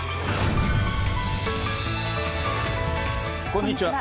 こんにちは。